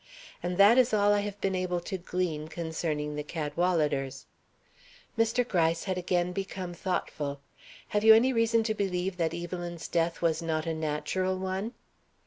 And that is all I have been able to glean concerning the Cadwaladers." Mr. Gryce had again become thoughtful. "Have you any reason to believe that Evelyn's death was not a natural one?"